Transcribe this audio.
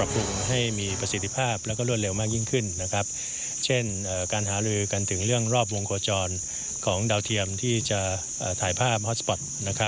การใช้ดาวเทียมที่จะถ่ายภาพฮอตสปอต